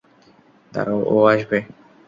দাঁড়াও, ও আসবে।